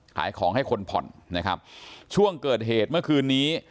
ขายของให้คนผ่อนนะครับช่วงเกิดเหตุเมื่อคืนนี้